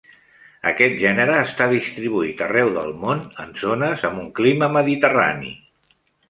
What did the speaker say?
Aquest gènere està distribuït arreu del món, en zones amb un clima mediterrani.